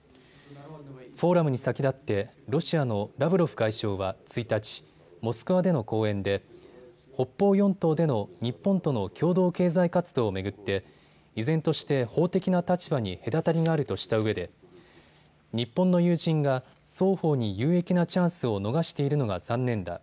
フォーラムに先立ってロシアのラブロフ外相は１日、モスクワでの講演で北方四島での日本との共同経済活動を巡って依然として法的な立場に隔たりがあるとしたうえで日本の友人が双方に有益なチャンスを逃しているのが残念だ。